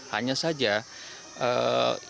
hanya saja ini memungkinkan